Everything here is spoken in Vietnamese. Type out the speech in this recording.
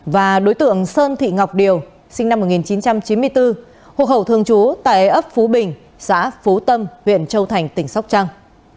và đối tượng sơn thị ngọc điều sinh năm một nghìn chín trăm chín mươi bốn hộ khẩu thường trú tại ấp phú bình xã phú tâm huyện châu thành tỉnh sóc trăng